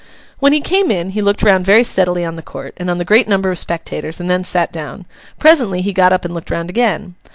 When he came in, he looked round very steadily on the Court, and on the great number of spectators, and then sat down: presently he got up and looked round again.